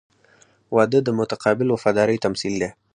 • واده د متقابل وفادارۍ تمثیل دی.